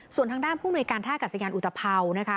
ส่วนทางด้านผู้มนุยการท่ากัศยานอุตภัวร์นะคะ